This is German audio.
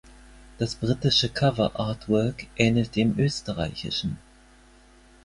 Das britische Cover-Artwork ähnelt dem österreichischen.